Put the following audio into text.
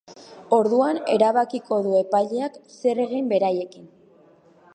Orduan erabkiko du epaileak zer egin beraiekin.